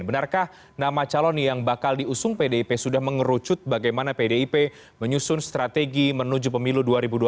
benarkah nama calon yang bakal diusung pdip sudah mengerucut bagaimana pdip menyusun strategi menuju pemilu dua ribu dua puluh